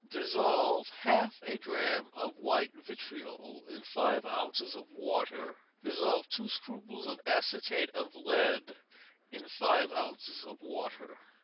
Dissolve half a drachm of white vitriol in five ounces of water. Dissolve two scruples of acetate of lead in five ounces of water.